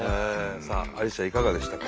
さあアリスちゃんいかがでしたか？